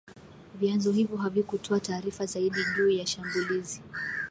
Vyanzo hivyo havikutoa taarifa zaidi juu ya shambulizi